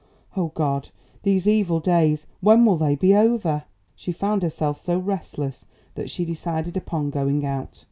O God! these evil days! When will they be over!" She found herself so restless that she decided upon going out.